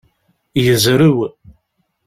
Yezrew.